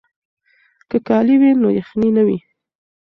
که کالي وي نو یخنۍ نه وي.